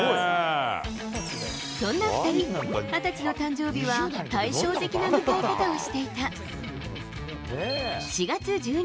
そんな２人、２０歳の誕生日は対照的な迎え方をしていた。